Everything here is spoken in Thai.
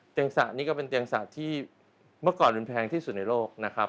เตียงศาสตร์นี่ก็เป็นเตียงศาสตร์ที่เมื่อก่อนเป็นแพงที่สุดในโลกนะครับ